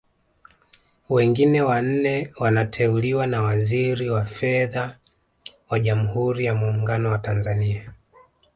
Wengine wanne wanateuliwa na Waziri wa Fedha wa Jamhuri ya Muungano wa Tanzania